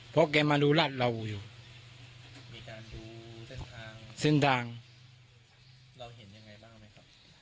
เพราะแกมาดูรัดเราอยู่มีการดูเส้นทางเส้นทางเราเห็นยังไงบ้างไหมครับ